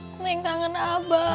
apa yang kangen abah